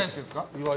岩井。